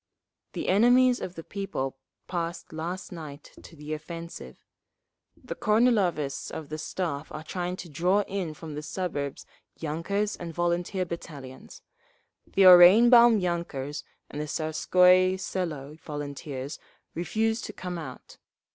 The enemies of the people passed last night to the offensive. The Kornilovists of the Staff are trying to draw in from the suburbs yunkers and volunteer battalions. The Oranienbaum yunkers and the Tsarskoye Selo volunteers refused to come out.